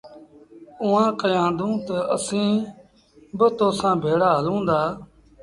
اُئآݩٚ ڪهيآندونٚ تا، ”اسيٚݩٚ با تو سآݩٚ ڀيڙآ هلونٚ دآ۔